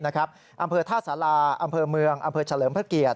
อำเภอท่าสาราอำเภอเมืองอำเภอเฉลิมพระเกียรติ